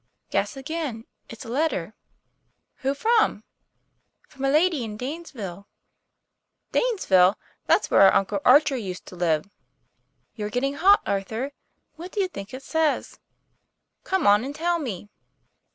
"Guess again. It's a letter." "Who from?" "From a lady in Danesville. " "Danesville! That's where our uncle Archer used to live." ' You're getting hot, Arthur. What do you think it says ?";< Come on and tell me."